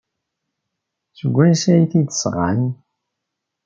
Seg wansi ay t-id-sɣan?